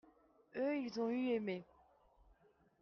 eux, ils ont eu aimé.